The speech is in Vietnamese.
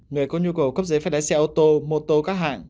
người có nhu cầu cấp giấy phép lái xe ô tô mô tô các hãng